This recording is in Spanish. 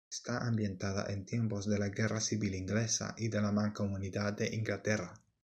Está ambientada en tiempos de la Guerra Civil Inglesa y la Mancomunidad de Inglaterra.